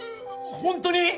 本当に！？